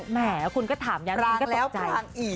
แหมคุณก็ทำย้างนี่แค่ตกใจ